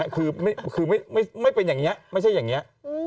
คือไม่เป็นอย่างนี้